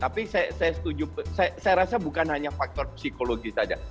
tapi saya rasa bukan hanya faktor psikologis saja